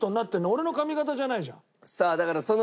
俺の髪形じゃないじゃん。